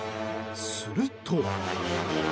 すると。